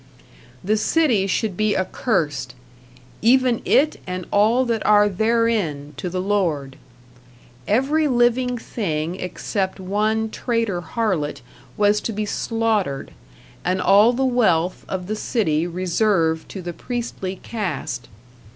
The city should be accursed, "even it and all that are therein, to the Lord"; every living thing except one traitor harlot was to be slaughtered, and all the wealth of the city reserved to the priestly caste.